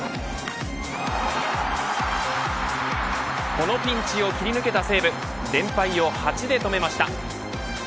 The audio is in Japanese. このピンチを切り抜けた西武連敗を８で止めました。